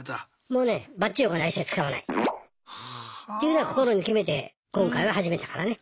もうねばっちいお金は一切使わないっていうのを心に決めて今回は始めたからね。